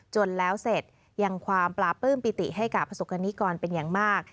จนแล้วเสร็จยังความปลาปลื้มปิติให้กับประสบกรณิกรเป็นอย่างมาก